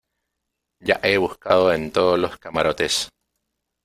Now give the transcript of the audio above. ya he buscado en todos los camarotes.